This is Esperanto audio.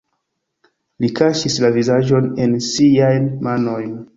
Li kaŝis la vizaĝon en siajn manojn.